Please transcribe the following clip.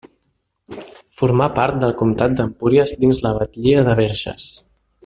Formà part del comtat d'Empúries dins la batllia de Verges.